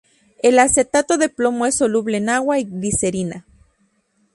El acetato de plomo es soluble en agua y glicerina.